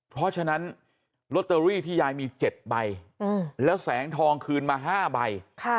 เพราะฉะนั้นลอตเตอรี่ที่ยายมี๗ใบแล้วแสงทองคืนมา๕ใบ